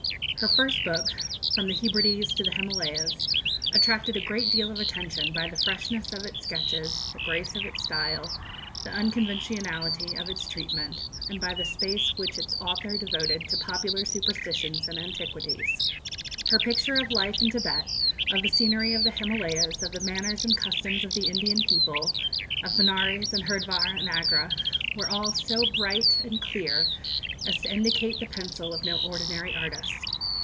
Her first book, "From the Hebrides to the Himalayas," attracted a great deal of attention by the freshness of its sketches, the grace of its style, the unconventionality of its treatment, and by the space which its author devoted to popular superstitions and antiquities. Her pictures of life in Tibet, of the scenery of the Himalayas, of the manners and customs of the Indian people, of Benares and Hurdwar and Agra, were all so bright and clear as to indicate the pencil of no ordinary artist.